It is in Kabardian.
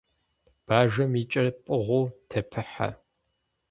Бажэм и кӏэр пӏыгъыу тепыхьэ.